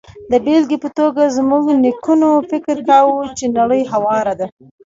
د بېلګې په توګه، زموږ نیکونو فکر کاوه چې نړۍ هواره ده.